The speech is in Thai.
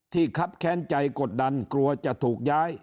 ครับแค้นใจกดดันกลัวจะถูกย้าย